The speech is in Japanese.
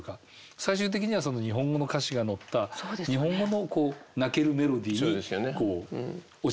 最終的には日本語の歌詞が乗った日本語の泣けるメロディーに落ち着かせるっていう